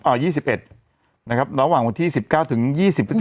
ยี่สิบเอ็ดนะครับระหว่างวันที่สิบเก้าถึงยี่สิบพฤศจิ